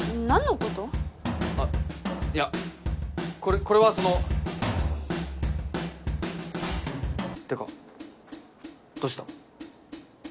あっいやこれはそのってかどうしたの？